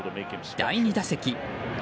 第２打席。